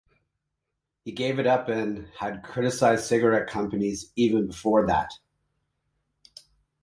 He gave it up and had criticized cigarette companies even before that.